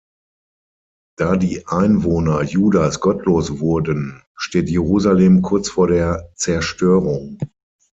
Da die Einwohner Judas gottlos wurden, steht Jerusalem kurz vor der Zerstörung.